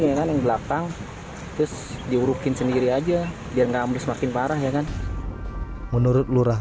yang belakang terus diurutin sendiri aja biar nggak abis makin parah ya kan menurut lurah